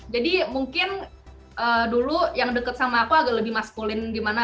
jadi mungkin dulu yang deket sama aku agak lebih maskulin di mana